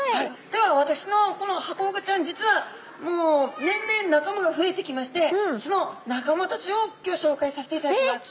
では私のこのハコフグちゃん実はもう年々仲間が増えてきましてその仲間たちをギョ紹介させていただきます。